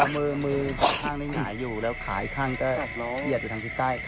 มือข้างหน่ายอยู่และขายข้างเย็นอยู่ทางที่ใกล้